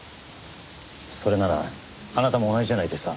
それならあなたも同じじゃないですか。